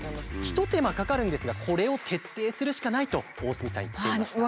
一手間かかるんですがこれを徹底するしかないと大角さん言っていました。